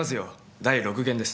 第６弦です。